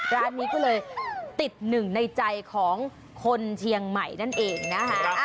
ร้านนี้ก็เลยติดหนึ่งในใจของคนเชียงใหม่นั่นเองนะคะ